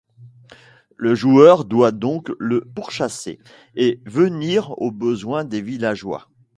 Le joueur doit donc le pourchasser et venir aux besoins des villageois.